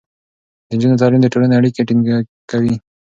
د نجونو تعليم د ټولنې اړيکې ټينګې کوي.